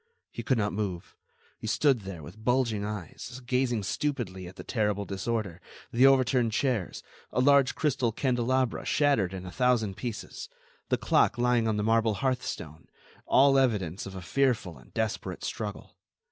He could not move. He stood there, with bulging eyes, gazing stupidly at the terrible disorder, the overturned chairs, a large crystal candelabra shattered in a thousand pieces, the clock lying on the marble hearthstone, all evidence of a fearful and desperate struggle.